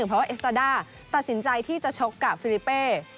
เพราะว่าเอสตาด้าตัดสินใจที่จะชกกับฟิลิเป้